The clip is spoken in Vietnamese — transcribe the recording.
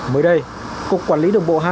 mới đây cục quản lý đồng bộ hai